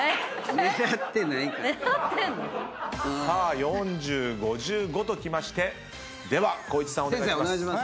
狙ってんの⁉４０５５ときましてでは光一さんお願いします。